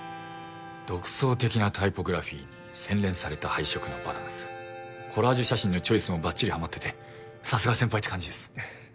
独創的なタイポグラフィに洗練された配色のバランスコラージュ写真のチョイスもバッチリはまっててさすが先輩って感じです。